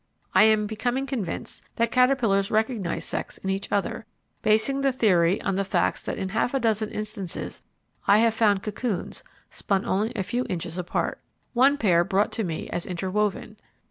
I am becoming convinced that caterpillars recognize sex in each other, basing the theory on the facts that in half a dozen instances I have found cocoons, spun only a few inches apart. One pair brought to me as interwoven.